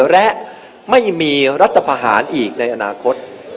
และไม่มีรัฐพาหารอีกในอนาคต